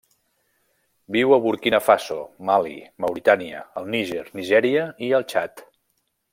Viu a Burkina Faso, Mali, Mauritània, el Níger, Nigèria i el Txad.